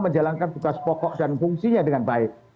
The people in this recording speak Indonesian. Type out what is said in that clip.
menjalankan tugas pokok dan fungsinya dengan baik